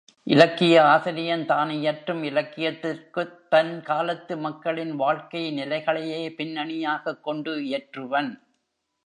இலக்கிய ஆசிரியன், தான் இயற்றும் இலக்கியத்திற்குத் தன் காலத்து மக்களின் வாழ்க்கை நிலைகளையே பின்னணியாகக் கொண்டு இயற்றுவன்.